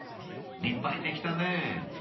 ⁉立派にできたね！